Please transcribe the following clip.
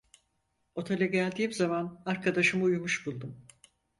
Otele geldiğim zaman arkadaşımı uyumuş buldum.